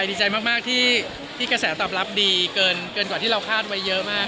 ดีใจมากที่กระแสตอบรับดีเกินกว่าที่เราคาดไว้เยอะมาก